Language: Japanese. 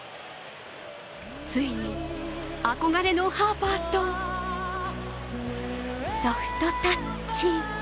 ついに憧れのハーパーとソフトタッチ。